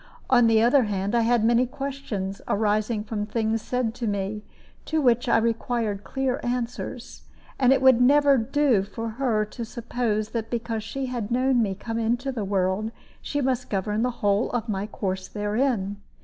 On the other hand, I had many questions, arising from things said to me, to which I required clear answers; and it never would do for her to suppose that because she had known me come into this world, she must govern the whole of my course therein.